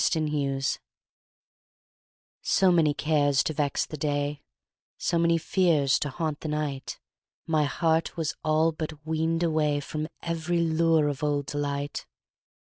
Summer Magic SO many cares to vex the day, So many fears to haunt the night, My heart was all but weaned awayFrom every lure of old delight.